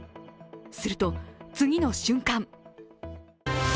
すると、次の瞬間